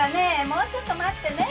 もうちょっと待ってね。